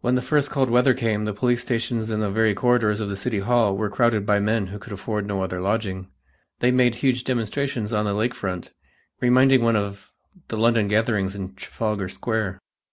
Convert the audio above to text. When the first cold weather came the police stations and the very corridors of the city hall were crowded by men who could afford no other lodging. They made huge demonstrations on the lake front, reminding one of the London gatherings in Trafalgar Square.